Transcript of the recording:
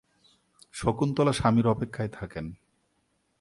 শকুন্তলা স্বামীর অপেক্ষায় থাকেন।